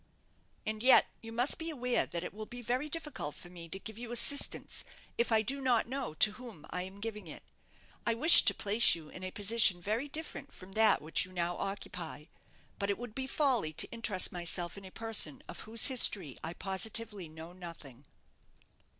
"And yet you must be aware that it will be very difficult for me to give you assistance if I do not know to whom I am giving it. I wish to place you in a position very different from that which you now occupy; but it would be folly to interest myself in a person of whose history I positively know nothing."